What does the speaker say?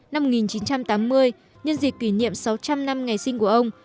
năm một nghìn chín trăm tám mươi nhân dịp kỷ niệm sáu trăm linh năm ngày sinh của ông